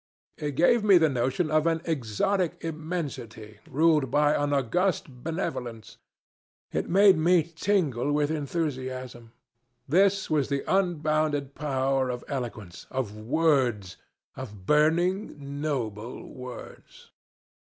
It gave me the notion of an exotic Immensity ruled by an august Benevolence. It made me tingle with enthusiasm. This was the unbounded power of eloquence of words of burning noble words.